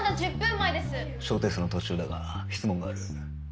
小テストの途中だが質問がある。